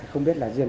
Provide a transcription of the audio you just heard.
không biết là duyên